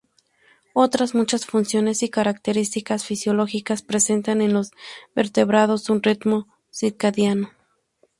Otras muchas funciones y características fisiológicas presentan en los vertebrados un ritmo circadiano.